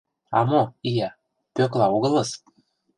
— А, мо, ия, Пӧкла огылыс!..